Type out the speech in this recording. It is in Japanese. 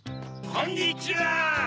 こんにちは。